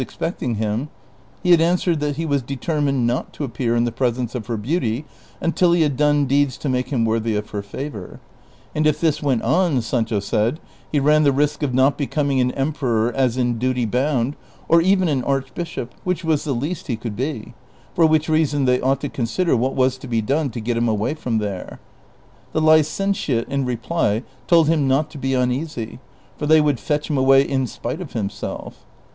239 expecting liim, he had answered that he was determined not to appear in the presence of her beauty until he had done deeds to make him worthy of her favor ; and if this went on, Sancho said, he ran the risk of not becoming an emperor as in duty bound, or even an archbishop, which was the least he could be ; for which reason they ought to consider what was to be done to get him away from there. The licentiate in reply told him not to be uneasy, for they would fetch him away in spite of himself.